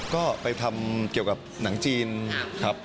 ก็ไปทำเกี่ยวกับหนังจีนครับ